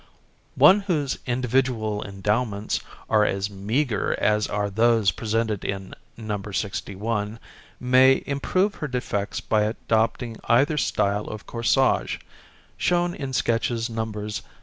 One whose individual endowments are as meagre as are those presented in No. 61 may improve her defects by adopting either style of corsage, shown in sketches Nos.